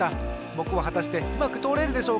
ぼくははたしてうまくとおれるでしょうか。